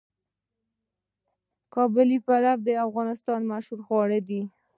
قابلي پلو د افغانستان مشهور خواړه دي.